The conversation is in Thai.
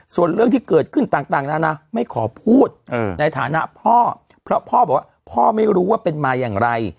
ส่วนเรื่องที่เกิดขึ้นต่างแล้วนะไม่ขอพูดในฐานะพ่อเพราะพ่อบอกว่าพ่อไม่รู้ว่าเป็นมาอย่างไร